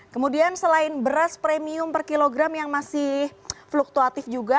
kemudian selain beras premium per kilogram yang masih fluktuatif juga